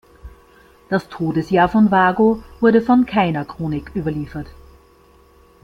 Das Todesjahr von Wago wurde von keiner Chronik überliefert.